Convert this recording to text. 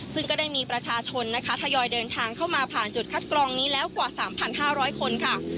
ซึ่งก็ได้มีประชาชนนะคะทยอยเดินทางเข้ามาผ่านจุดคัดกรองนี้แล้วกว่า๓๕๐๐คนค่ะ